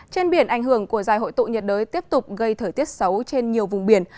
trên biển ảnh hưởng của dài hội tụ nhiệt đới tiếp tục gây thời tiết xấu trên nhiều vùng biển